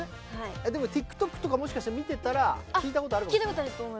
でもＴｉｋＴｏｋとかもしかして見てたら聴いたことあるかもしれない？